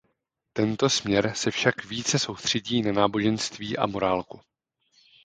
Tento směr se však více soustředí na náboženství a morálku.